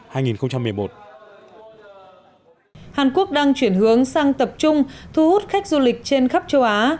hàn quốc đang chuyển hướng sang tập trung thu hút khách du lịch trên khắp châu á